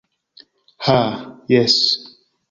Ha, jes.